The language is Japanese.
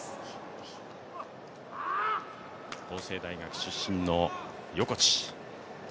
法政大学出身の横地。